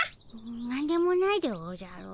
なんでもないでおじゃる。